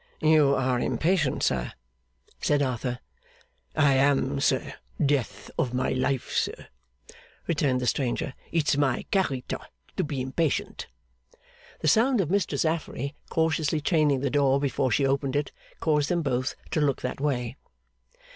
'You are impatient, sir,' said Arthur. 'I am, sir. Death of my life, sir,' returned the stranger, 'it's my character to be impatient!' The sound of Mistress Affery cautiously chaining the door before she opened it, caused them both to look that way.